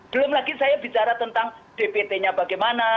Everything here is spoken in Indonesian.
belum lagi saya bicara tentang dpt nya bagaimana